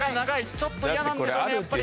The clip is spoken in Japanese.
ちょっと嫌なんでしょうねやっぱり。